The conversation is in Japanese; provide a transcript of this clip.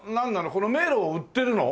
この迷路を売ってるの？